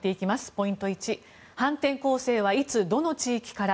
ポイント１反転攻勢は、いつどの地域から？